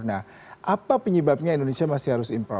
nah apa penyebabnya indonesia masih harus impor